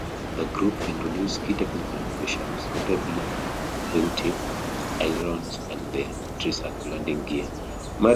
The group introduced key technical innovations, notably wingtip ailerons and the tricycle landing gear.